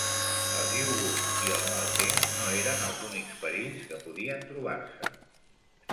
Els U-boot i el mal temps no eren els únics perills que podien trobar-se.